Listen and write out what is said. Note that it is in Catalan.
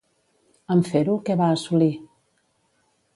En fer-ho, què va assolir?